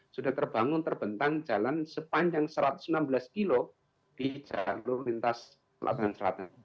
sudah terbangun terbentang jalan sepanjang satu ratus enam belas kilo di jalur lintas selatan